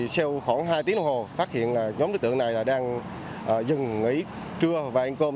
sau khoảng hai tiếng đồng hồ phát hiện là nhóm đối tượng này đang dừng nghỉ trưa và ăn cơm